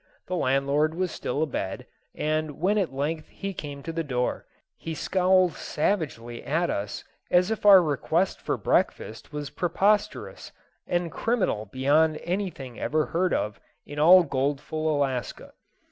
The landlord was still abed, and when at length he came to the door, he scowled savagely at us as if our request for breakfast was preposterous and criminal beyond anything ever heard of in all goldful Alaska.